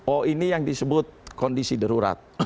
oh ini yang disebut kondisi darurat